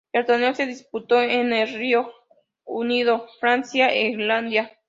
El torneo se disputó en el Reino Unido, Francia e Irlanda.